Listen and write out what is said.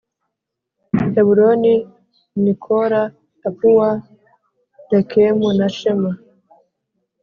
Heburoni ni kora tapuwa rekemu na shema